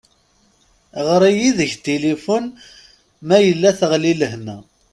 Ɣer-iyi deg tilifun ma yella teɣli lehwa.